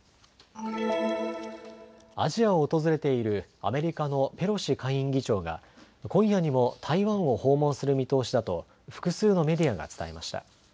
アジアを訪れているアメリカのペロシ下院議長が今夜にも台湾を訪問する見通しだと複数のメディアが伝えました。